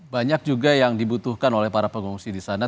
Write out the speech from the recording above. banyak juga yang dibutuhkan oleh para pengungsi di sana